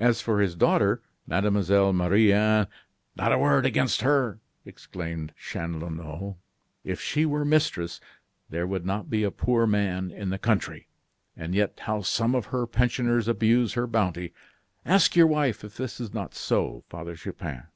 As for his daughter, Mademoiselle Marie Anne " "Not a word against her!" exclaimed Chanlouineau; "if she were mistress, there would not be a poor man in the country; and yet, how some of her pensioners abuse her bounty. Ask your wife if this is not so, Father Chupin."